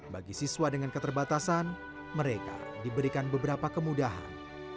bagi siswa dengan keterbatasan mereka diberikan beberapa kemudahan